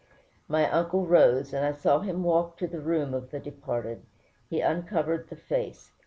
My uncle rose, and I saw him walk to the room of the departed one. He uncovered the face.